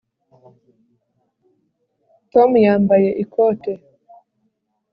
Tom yambaye ikote